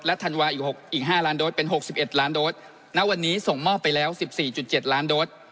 และธันวาอีก๕ล้านโดสเป็น๖๑ล้านโดสณวันนี้ส่งมอบไปแล้ว๑๔๗ล้านโดส